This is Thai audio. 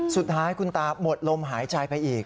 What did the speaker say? สุดท้ายคุณตาหมดลมหายใจไปอีก